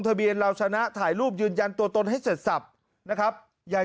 ทะเบียนเราชนะถ่ายรูปยืนยันตัวตนให้เสร็จสับนะครับอย่า